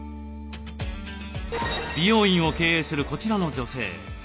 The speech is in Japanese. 美容院を経営するこちらの女性。